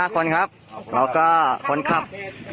๕คนครับแล้วก็คนขับ